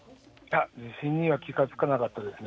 地震には気が付かなかったですね。